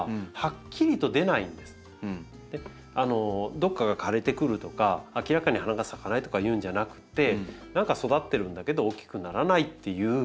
どこかが枯れてくるとか明らかに花が咲かないとかいうんじゃなくて何か育ってるんだけど大きくならないっていう症状として出るんです。